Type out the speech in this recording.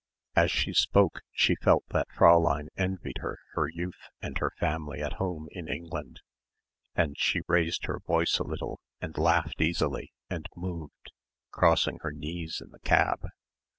As she spoke she felt that Fräulein envied her her youth and her family at home in England and she raised her voice a little and laughed easily and moved, crossing her knees in the cab.